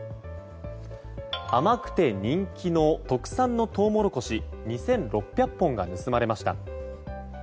甘くて人気の特産のトウモロコシ２６００本が盗まれました。